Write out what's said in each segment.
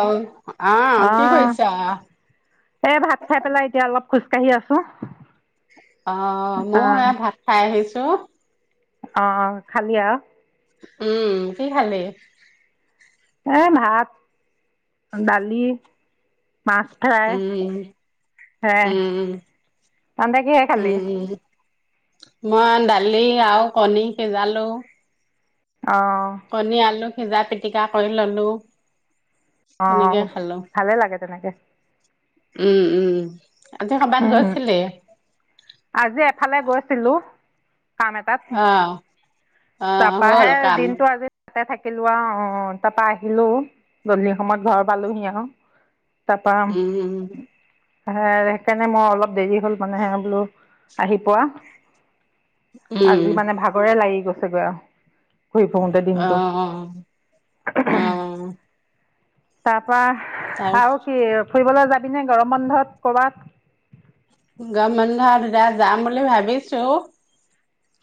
অ', অ, কি কৰিছা? এই ভাত খাই পেলাই এতিয়া অলপ খোজকাাঢ়ি আছো। অ মই ভাত খাই আহিছো। ছ [unintelligible] অ অ খালি আৰু? উম, কি খালে? এ ভাত দালি মাছ ফ্ৰাই উম, হ, উম, তানদে কিহে খালি? উম, মই দালি আৰু কণী সিজালো অঁ কনী আলু ভিজা পিটিকা কৰি ললোঁ অ ভালে লাগে তেনেকে। উম উম। আজি সবাত গৈছিলি? আজি এফালে গৈছিলোঁ কাম এটাত আহ আহ, হ'ল তাৰপৰাহে কাম? দিনটো আজি তাতে থাকিলো আৰু অ, তাৰাপা আহিলো দললি সময়ত ঘৰ পালোহি আৰু উম উম। হে সেইকাৰণে মই অলপ দেৰি হ'ল মানে হে বোলো আহি পোৱা উম, আজি মানে ভাগৰে লাগি গল। চ আহ আহ পাপ ত আৰু কি ফুৰিবলৈ যাত দিনে গৰম বন্ধত ক'বাত গৰম বন্ধত যাম বুলি ভাবিছো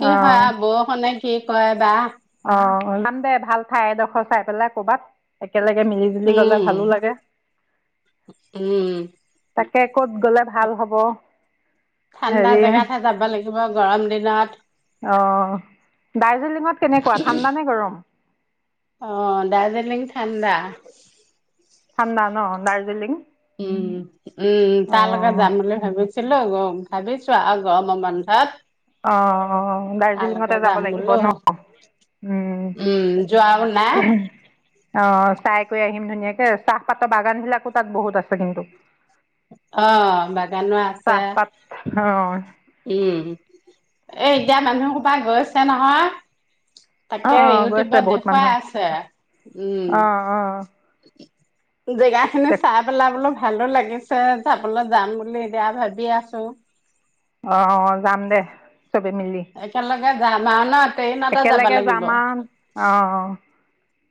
কি হয় অ' আও বৰষুণে কি কয় বা অ যাম দে ভাল ঠাই এডোখৰ চাই পেলাই কৰবাত একেলগে মিলি জুলি গলে ভালো উম, লাগে তাক তাকে ঠাণ্ডা হেৰি জেগাতহে যাব লাগিব গৰম দিনত অ দাৰ্জিলিঙত কেনেকুৱা ঠাণ্ডা নে গৰম অ দাৰ্জিলিং ঠাণ্ডা ঠাণ্ডা ন দাৰ্জিলিং উম উম অ তা লগত যাম বুলি ভাবিছিলো গ ভাবিছো আও গৰমৰ বন্ধত অহ তালৈকে দাৰ্জিলিঙতে যাব যাম লাগিব বোলো ন উম উম, যোৱাও নাই অ চাই কৰি আহিম ধুনীয়াকে চাহপাতৰ বাগান বিলাকো তাত বহুত আছে কিন্তু অ বাগানো আছে চাহপাত অ উম এ এতিয়া মানুহ কৰবাত গৈছে নহয় অ তাকে গৈছে ইউটিউবত বহুত দেখুৱাই মানুহ আছে উম অ অ জেগা খিনি চাই পেলাইবোলো ভালো লাগিছে যাবলৈ যাম বুলি এতিয়া ভাবি আছো অ যাম দে চবে মিলি যাযম আও ন ট্ৰেইনতে যাব একেলগে লাগিব যাম আও অ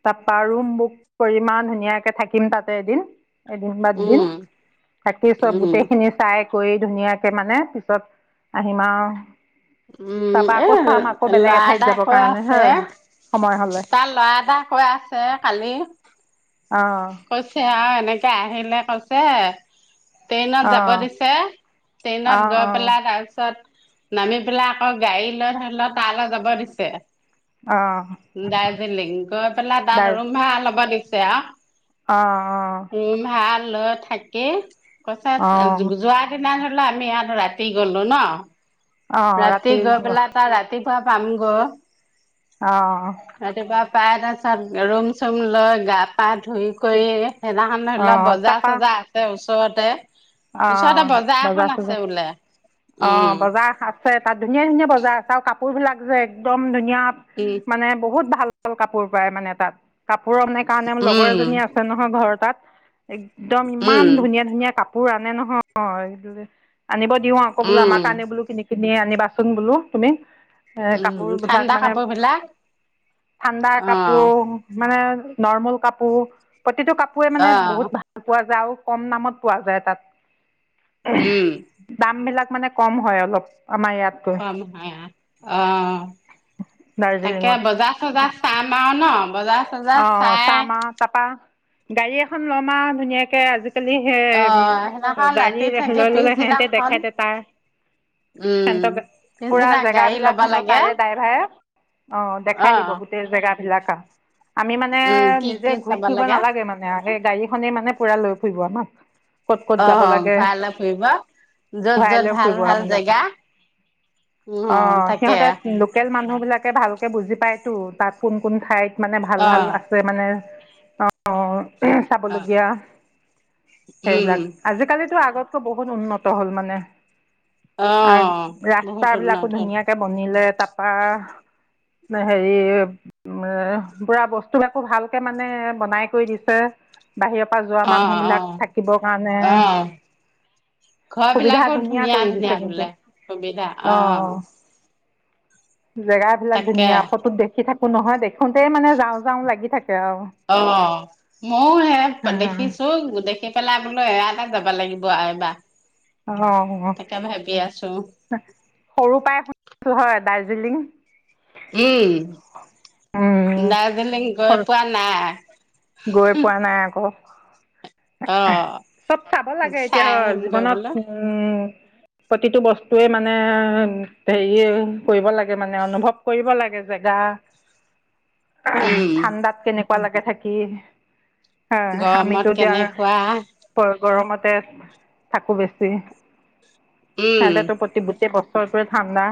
তাৰপা ৰুম বুক কৰি ইমান ধুনীয়াকে থাকিম তাতে এদিন এদিন বা দুদিন উম থাকি চব উম গোটেইখিনি চাই কৰি ধুনীয়াকে মানে পিছত আহিম আৰু উম তাৰপা এ আকৌ চাম আকৌ বেলেগ লা এঠাইত দাদা যাবৰ কৈ কাৰণে আছে হয় সময় হলে তাৰ ল'ৰা এটাই কৈ আছে কালি অ কৈছে আন এতিয়া আহিলে কৈছে ট্ৰেইনত অ যাব দিছে অ ট্ৰেইনত গৈ অ পেলাই তাৰপিছত নামি পেলাই আকৌ গাড়ী লৈ ধৰি লও তালৈ যাব দিছে অ দাৰ্জিলিং গৈ পেলাই তাত দাৰ ৰুমভা ল'ব দিছে এয়া অ অ লৈ থাকি অ যোৱা দিনা আমি ইয়াত ৰাতি গলো ন ৰাতি গৈ পেলাই তা ৰাতি পা পামগ অ তাৰপাছত ৰুম চুম লয় গা পা ধুই কৰি সেইদিনাখন ধৈ ল অ', বজাৰ তাপা চজাৰ আছে ওচৰত ওচৰতে অ ওচৰতে বজাৰ এখন আছে চজাৰ বোলে অ উম বজাৰ আছে তাত ধুনীয়া ধুনীয়া বজাৰ আছে আৰু কাপোৰ কুৰ বিলাক যে একদম উম মানে বহুত ভাল ভাল কাপোৰ পায় মানে তাত কাপ পুৰম নে কাৰণে লগৰ উম এজনী আছে নহয় ঘৰ তাত একদম ইমান উম ধুনীয়া ধুনীয়া কাপ পুৰ আনে নহয় আনিব দিওঁ আকৌ বোলোঁ আমাক উম আনিবলৈ কিনি কিনি আনিবাচোন বোলো তুমি এ উম কাপোৰ বিলাক ঠাণ্ডা মানে কাপোৰ বিলাক ঠাণ্ডা অ কাপোৰ মানে নৰ্মেল কাপো প্ৰতিটো কাপোয়ে মানে অ বহুত ভাল পোৱা যায় আও কম দামত পোৱা যায় তাত উম দাম বিলাক মানে কম হয় অলপ আমাৰ ইয়াতকৈ কম হয় অ তাকে দাৰ্জিলিঙত বজাৰ চজাৰ চাম আও ন বজাৰ চজাৰ অ চাই চামা তাপা গাড়ী এখন ল'ম আও ধুনীয়াকে আজি খালি সেই অ উ সেইদিনাখন গাড়ী ৰাতি থাকি লৈ ললে সিহতে পিছদিনাখন দেখাই দে তাৰ উম সিহতৰ পুৰা পিছদিনা জেগা গাড়ী বিলাক ল'বা সিহত লাগে তাৰে ড্ৰাইভাৰে অ অ দেখাই দিব গোটেই জেগ বিলাক আও আমি মানে উম কি নিজে কি ঘূৰি চাব ফুৰিব লাগে নালাগে মানে গাড়ীখনেই মানে পুৰা লৈ ফুৰিব আমাক ক'ত ক'ত অ যাব লাগে ভাল ফুৰিব যত ঘূৰাই যত লৈ ফুৰিব ভাল আও ভাল মানে জেগা অ তাকে সিহঁত লোকেল মানুহ বিলাকে ভালকে বুজি পায়তো তাত কোন কোন ঠাইত মানে ভাল অ ভাল আছে মানে অ অ চাবলগীয়া উম সেইবিলাক আজিকালিতো আগত। বহুত উন্নত হ'ল মানে। অ বহুত। বিলাকো উন্নত হ'ল ধুনীয়াকে বনি। তাপা হেৰি পুৰা বস্তু আাকৌ ভালকে মানে বনাই কৰি দিছে। বাহিৰৰ পৰা যোৱা অ মানুহ অ বিলাক থাকিবৰ কাৰণে অ ঘৰ সুবিধা বিলাকো ধুনীয়া কৰি দিছে কিন্তু। অহঁ জেগা বিলাক ধুনীয়া ফটোত দেখি থাকো। এক নহয় দেখোতেই মানে যাওঁ যাওঁ লাগি থাকে। আৰু অ মইও সে দেখিছো দেখি। পেলাই বোলো এয়াতে যাবা লাগিব এবা। অঁ তাকে ভাবি আছো। সৰু পৰাাই শুনিছো হয়। দাৰ্জিলিং। উম উম, দাৰ্জিলিং গৈ পোৱা নাই। গৈ পোৱা নাই আকৌ। অহ। অ' চব চাব লাগে এতিয়া চাই আহিমগৈ জীৱনত বোলো উম। প্ৰতিটো বস্তুৱে মানে হেৰি কৰিব লাগে মানে অনুভৱ কৰিব লাগে জেগা। উম ঠাণ্ডাত কেনে। ৰাতিপুৱালেকে থাকি। হয়, গৰমত আমিতো। এতিয়া কেনেকুৱা? গৰমতে থাকোঁ বেছি। উম সেতৰ তোৰ প্ৰতিতি বুটে প। চক ঠাণ্ডা।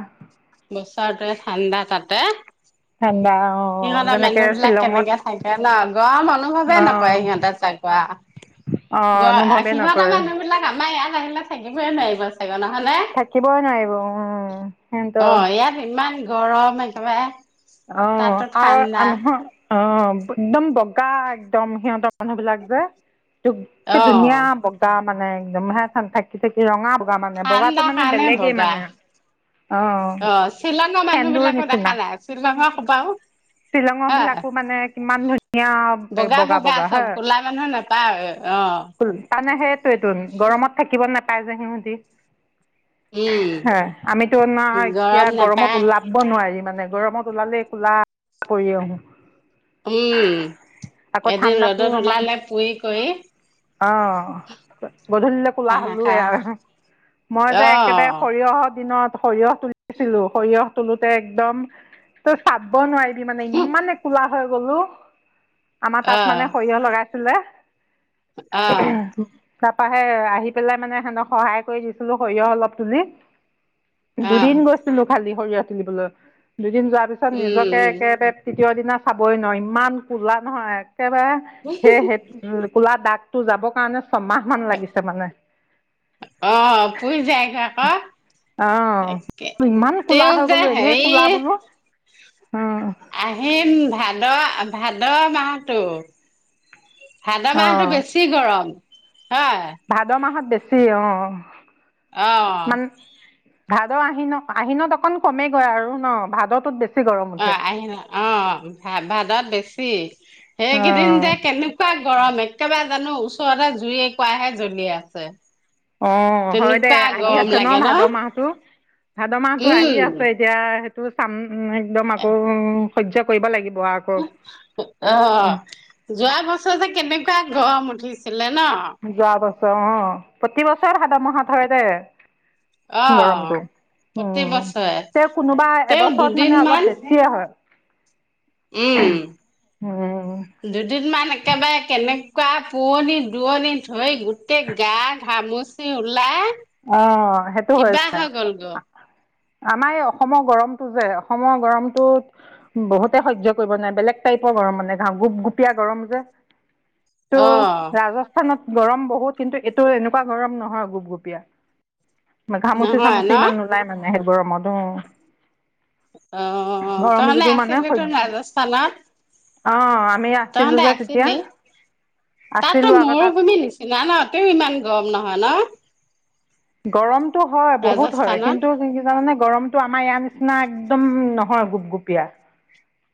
বছৰটোৱে ঠাণ্ডা তাতে। ঠাণ্ডা অ সিহঁতৰ যেনেকে মানুহ বিলাক শ্বিলঙত কেনেকে চাগে ন গৰম অনুভৱে অ নকৰে সিহঁতে চাগোৱা। অ গ', অনুভৱে সিহতঁৰ নকৰে মানুহ বিলাক আমাৰ ইয়াত। লাহিলে থাকিবইে নোৱাৰিব। নহয়নে? থাকিবই নোৱাৰিব উম সিহঁতৰ অ', ইয়াত ইমান গৰম। মৱ [inaudible] অ', আৰু আনহয় [unintelligible] অ', একদম বগা একদম সিহঁতৰ মানুহ বিলাক যে, দু- দুুনীয়া অ' বগা মানে একদম হে', থাকি -থাকি ৰঙা বগা মানে বগাটো ঠাণ্ডা মানে কাৰণে বেলেগেই বগা মানে অ', শ্বিলঙৰ মানুহ সেন্দুৰ বিলাকো নিচিনা দেখা নাই শ্বিলঙৰ সোপাও শ্বিলঙৰ হয় বিলাকো মানে কিমান ধুনীয়া বগা- বগা হা চব ক'লা মানুহ নাপায় অ আমি হে ', গৰমত থাকিব নাপ তাইজ আহ মধি হয়', আমিতো না উম এতিয়া গৰম গৰমত নাপায় ওলাব নোৱাৰি মানে নে গৰমত কলালে কোলা কৰি আহো। উম আকৌ এদিন ঠাণ্ডাতো ৰ'দত আমাৰ ওলালে পুৰি কৰি অহ ', গধূলিলৈ কোলা হাঁহ হলোৱে খা আৰু মই যে অ একেবাৰে সৰিয়হৰ দিনত সৰিয়হ তুলিছিলো সৰিয়হ তলোতে একদম চাব নোৱাৰি। মানে ইমানে কোলা হৈ গলো। আমাৰ তাত অ মানে সৰিয়হ লগাই ছিল আহ', অ তাৰপৰা সে আহি পেলাই মানে সিহনতক সহায় কৰি দিছিলো সৰিয়হ অলপ তুলি। অ দুদিন গৈছিলো খালি। সৰিয়া তুলিবলৈ দুদিন যোৱাত চব নিজকে উম একেবাৰে তীয় দিনা চাবই নোৱাৰোঁ ইমান কলা নহয় কেতিয়াবা উম সেইয়ে কোলা দাগতটো যাবৰ কাৰণে ছমাহ মান লাগিছে জাহ মানে অ পুৰি যায়গৈ আকৌ আহ ইমান কোলা তেওঁ হৈ যে গলো এনে কোলা বোলো অ আহিম ভাদ ভাদ মাহতটো ভাদ মাহতটো অঁ বেছি গৰম হয় ভাদ মাহত বেছি সেই অ অ আহ ভাদ আহিনক আহিনত অকণ কমেই আৰু ন ভাদটোত বেছি গৰম অ উঠে আহিন অ ভা ভাদত বেছি সেইকেইদিন যে অঁ কেনেকুৱা গৰম এক একেবাৰে জানো ওচৰতে জুই কোৱাহে জ্বলি আছে অ হয় দে তেনেকুৱা আহি গৰম আছে ন লাগে ভাদ মাহটো ভাদ মাহতো আহি উম আছে এতিয়া তটো চাম একদম আকৌ সয্য কৰিব লাগিব আকৌ আহ যোৱা বছৰ যে কেনেকুৱা গৰম উঠিছিল আছিলে ন যোৱা অ প্ৰতি বছৰ ভাদৰ মহাত হয় দে অ গৰমটো প্ৰতি উম বছৰে তে কোনোবা তেওঁ এবছৰত মানে দুদিনমান অলপ বেছিয়ে হয় উম উম দুদিনমান একেবাৰে কেনে কিবা পোৱণি দুৱনি ধৰি গোটেই গা ঘামচি ওলাই অ সেইটো হৈ কিবা যায় গ'ল গ আমাৰ এই অসমৰ গৰমটো যে অসমৰ গৰমটোত বহুতে সয্য কৰিব নোৱাৰে বেলেগ টাইপৰ গৰম মানে ঘা গোপ গোপীয়া গৰম যে ত' অ ৰাজস্থানত গৰম বহুত কিন্তু এইটো এনেকুৱা গৰম নহয় গোপগপীয়া ঘামোচি নহয় চামুচি ন ইমান নোলায় মানে হে বৰ মদ [unintelligible] অ কাৰণ আছিলো তোৰ ৰাজস্থানত অ অ তহঁতে আছিলি তাতটো আছিলো আকৌ তাত মৰুভূমি নিচিনা ন তৌ ইমান গৰম নহয় ন গৰম টো হয় বহুত হয় ৰাজস্থানত কিন্তু যোনদিনা মানে গৰম টো আমাৰ ইয়াৰ নিচিনা একদম নহয় গুপগুপীয়া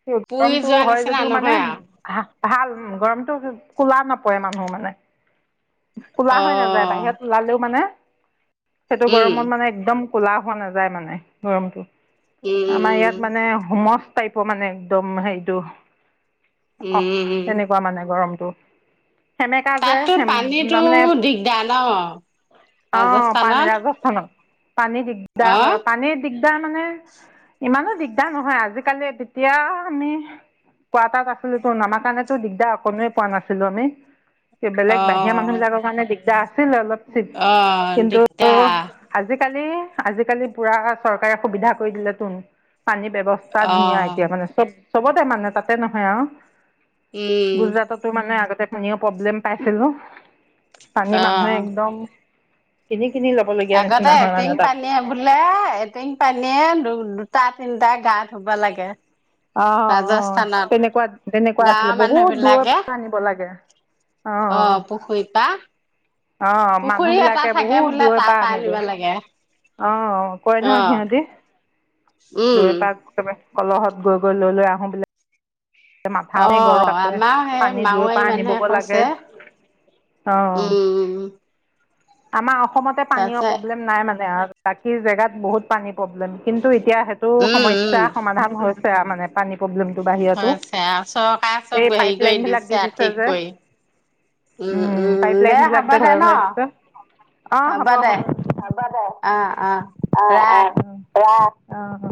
স পুৰি গৰমতটো যোৱা হয় নিচিনা যদিও মানে নহয় আৰু হা ভাল গৰমটোত কোলা নপৰে মানুহ মানে কোলা অ হৈ নাযায় বাহিৰত ওলালেও মানে সেইটো উম গৰমত মানে একদম কোলা হোৱা নাযায় মানে গৰমটো উম আমাৰ ইয়াত উম মানে সময় ত মানে একদম সেইটো অ উম উম তেনেকুৱা মানে গৰম অ তাততো পানীটো দিগদাৰ ন অঁ পানী ৰাজস্থানত ৰাজস্থানত পানী দিগদাৰ অ হয় পানী দিগদাৰ মানে ইমানো দিগ্ দাৰ নহয় আজিকালি এতিয়া আমি কোৱাৰ্টাত আছিলো ত আমাৰ কাৰণেতো দিগদাৰ অকণে পোৱা নাছিলো আমি বেলেগ অ বাহিৰা মানুহ বিলাকৰ কাৰণে দিগ্ দাৰ আছিল অলপ অ কিন্তু দিগদাৰ আজি কালি আজিকালি পুৰা চৰকাৰে সুবিধা কৰি দিল তোন পানী ব্যৱস্থা অ ধুনীয়া এতিয়া মানে চব চবতে মানে তাতে নহয় আৰু উম গুজৰাটতো মানে আগতে আমিও প্ৰব্লেম পাইছিলো পানী অ মানুহে একদম এনেই আগতে এটিং পানীয়ে বোলে এটিং পানীয়ে দু দুটা তিনটা গা ধুব লাগে আহ আহ ৰাজস্থানত তেনেকুৱা তেনেকুৱা গাঁৱৰ আছিলে মানুহ বহুত দূৰৰ বিলাকে পৰা আনিব লাগে। অ আহ পুখুৰীৰ পৰা অ মানুহ পুখুৰী এটা বিলাকে থাকে বহুত বোলে দূৰ তাৰ পৰাা পৰা আনিব আনেগৈ লাগে অ কয় অ নহয় সিহঁতি উম দূৰৰ পৰা কলহত গৈ গৈ লৈ লৈ আহো বুলি অ আমাৰ সে পানী দূৰৰ পৰা মাৱাৰী মানুহে আনিবগৈ লাগে কৈছে অ উম। আমাৰ। অসমতে পানীয় তাৰপিছত প্ৰব্লেম নাই মানে আৰু। বাকী জেগাত বহুত পানী। প্ৰব্লেম কিন্তু এতিয়া সেইটো উম সমস্যা উম সমাধান হৈ। য়া মানে পানী। প্ৰব্লেমটো বাহিৰতো হৈছে আৰু চৰকাৰ চব এই পাইপ হেৰি লাইন কৰি বিলাক দি দিছে ঠিক যে কৰি উম পাইপ উম লাইন দে বিলাক হ'ব যে দে ঘৰে ন। ঘৰে দিছে অ হ'ব হ'ব বাও দে অ অ ৰাখ অহ ওহ। আহ।